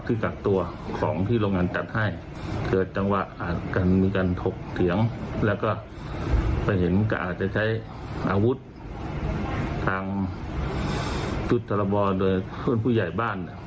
ที่ท่านชี้แจงเอาไว้นะครับ